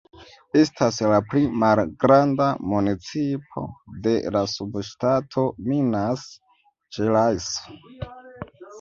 Estas la pli malgranda municipo de la subŝtato Minas-Ĝerajso.